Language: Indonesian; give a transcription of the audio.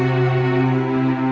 hanya kita bisa pandai